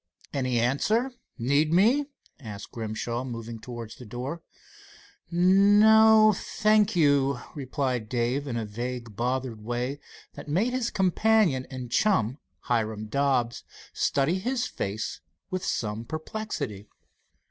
"Any answer? Need me?" asked Grimshaw, moving towards the door. "No, thank you," replied Dave in a vague, bothered way that made his companion and chum, Hiram Dobbs, study his face with some perplexity.